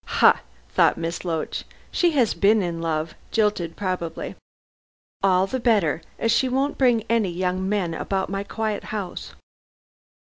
"Ha!" thought Miss Loach, "she has been in love jilted probably. All the better, as she won't bring any young men about my quiet house."